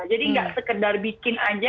jadi gak sekedar bikin aja